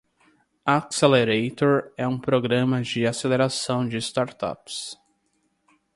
Accelerator é um programa de aceleração de startups.